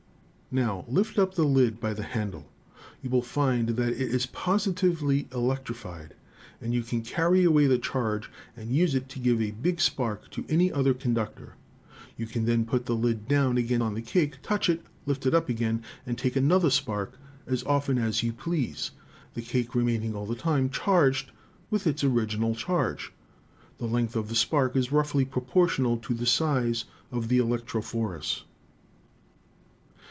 Now lift up the lid by the handle. You will find that it is positively electrified, and you can carry away the charge and use it to give a big spark to any other conductor. You can then put the lid down again on the cake, touch it, lift it up again and take another spark as often as you please, the cake remaining all the time charged with its original 166 ELECTRICITY charge. The length of spark is roughly proportional to the size of the electrophorus.